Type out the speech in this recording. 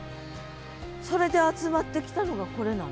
それで集まってきたのがこれなの？